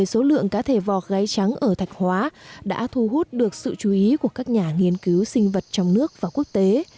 số lượng cá thể vọc gáy trắng ở thạch hóa đã thu hút được sự chú ý của các nhà nghiên cứu sinh vật trong nước và quốc tế